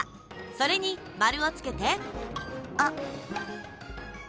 それに丸をつけて。